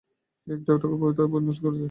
একটা কুকুর আমাদের পবিত্র ভূমি নষ্ট করেছে।